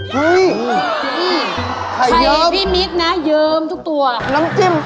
จริงไข่พี่มิกนะเยิ้มทุกตัวไข่เยิ้มบ่ายมิกประมุด